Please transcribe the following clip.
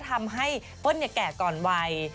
มันก็ทำให้เปิ้ลใหญ่ก่อนวัย